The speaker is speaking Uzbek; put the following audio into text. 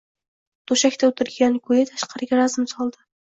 To‘shakda o‘tirgan ko‘yi tashqariga razm soldi.